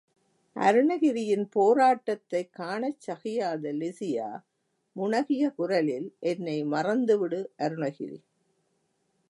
அருணகிரியின் போராட்டத்தைக் காணச் சகியாத லிஸியா முனகிய குரலில், என்னை மறந்து விடு அருணகிரி.